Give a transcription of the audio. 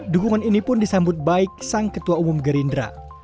dukungan ini pun disambut baik sang ketua umum gerindra